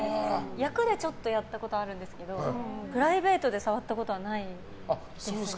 役でちょっとやったことあるんですけどプライベートで触ったことはないですね。